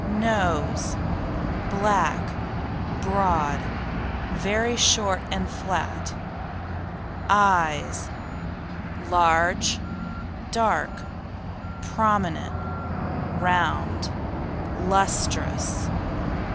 NOSE Black, broad, very short and flat. EYES Large, dark, prominent, round, lustrous.